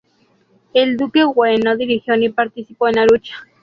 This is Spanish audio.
El duque Wen no dirigió ni participó en la lucha.